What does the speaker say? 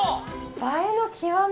映えの極み。